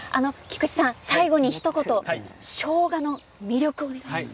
最後にひと言しょうがの魅力をお願いします。